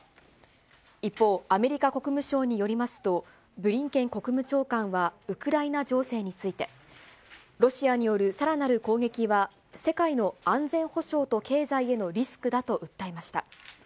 一方、アメリカ国務省によりますと、ブリンケン国務長官はウクライナ情勢について、ロシアによるさらなる攻撃は、世界の安全保障と経済へのリスクだと訴えました。